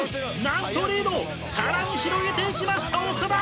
なんとリードをさらに広げていきました長田！